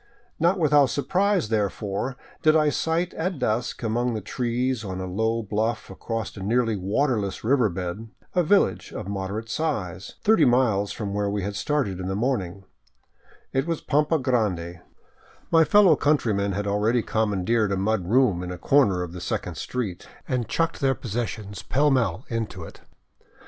Not without surprise, therefore, did I sight at dusk, among the trees on a low bluff across a nearly waterless river bed, a village of moderate size, thirty miles from where we had started in the morning. It was Pampa Grande. My fellow 532 m ON FOOT ACROSS TROPICAL BOLIVIA countrymen had already commandeered a mud room on a corner of the second street, and chucked their possessions pell mell into it.